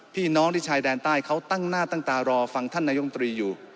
พี่น้องที่ชายแดนใต้เขาตั้งหน้าตั้งตารอฟังท่านนายมตรีอยู่